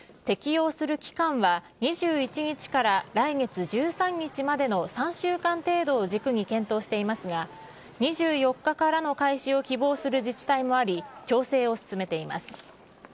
適用する期間は２１日から来月１３日までの３週間程度を軸に検討していますが、２４日からの開始を希望する自治体もあり、調整を進めています。